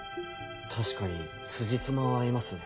確かにつじつまは合いますね。